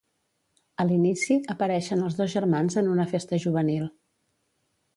A l'inici, apareixen els dos germans en una festa juvenil.